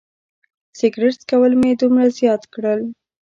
سګرټ څکول مې دومره زیات کړل.